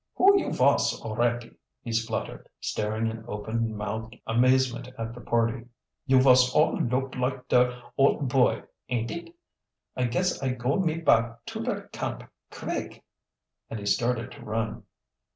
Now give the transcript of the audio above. "Who you vos alretty"? he spluttered, staring in open mouthed amazement at the party. "You vos all look like der Oldt Boy, ain't it! I guess I go me back to der camp kvick!" and he started to run.